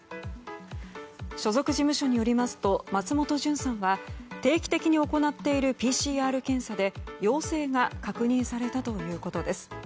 所属事務所によりますと松本潤さんは定期的に行っているＰＣＲ検査で陽性が確認されたということです。